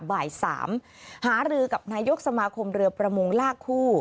บ่าย๓หารือกับนายกสมาคมเรือประมงลากคู่